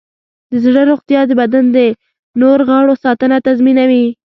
د زړه روغتیا د بدن د نور غړو ساتنه تضمینوي.